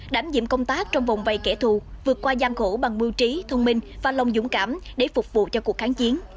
đảm nhiệm công tác trong vòng vây kẻ thù vượt qua gian khổ bằng mưu trí thông minh và lòng dũng cảm để phục vụ cho cuộc kháng chiến